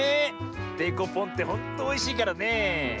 デコポンってほんとおいしいからねえ。